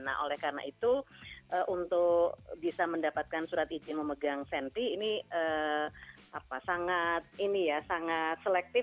nah oleh karena itu untuk bisa mendapatkan surat izin memegang senti ini sangat selektif